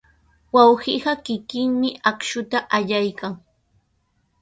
Wawqiiqa kikinmi akshuta allaykan.